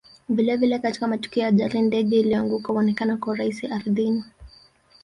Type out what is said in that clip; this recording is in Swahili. Vile vile katika matukio ya ajali ndege iliyoanguka huonekana kwa urahisi ardhini